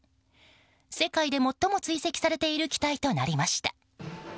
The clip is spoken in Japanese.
世界で最も追跡されている機体となりました。